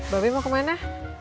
babi mau kemana